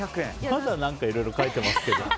まだ何かいろいろ書いてますけど。